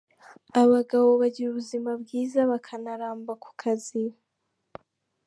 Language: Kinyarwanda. Abagabo bagira ubuzima bwiza bakanaramba ku kazi.